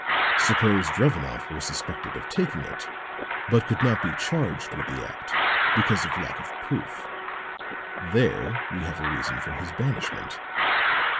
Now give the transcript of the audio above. Suppose Drevenoff were suspected of taking it, but could not be charged with the act because of lack of proof. There we have a reason for his banishment.